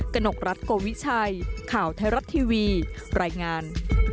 กศธชข่าวไทยรัฐทีวีรายงาน